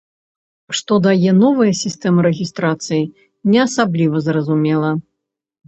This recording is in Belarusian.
Што дае новая сістэма рэгістрацыі, не асабліва зразумела.